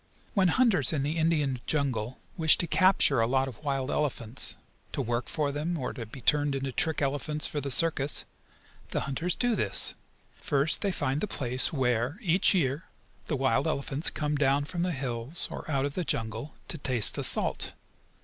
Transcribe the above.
When hunters in the Indian jungle wish to capture a lot of wild elephants, to work for them, or to be turned into trick elephants for the circus, the hunters do this. First they find the place where, each year, the wild elephants come down from the hills, or out of the jungle, to taste the salt.